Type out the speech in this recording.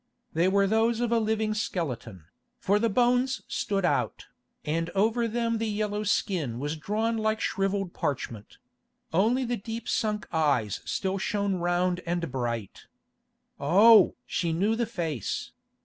They were those of a living skeleton, for the bones stood out, and over them the yellow skin was drawn like shrivelled parchment; only the deep sunk eyes still shone round and bright. Oh! she knew the face.